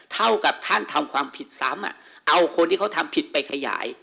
เท่ากับท่านทำความผิดซ้ำเอาคนที่เขาทำผิดไปขยาย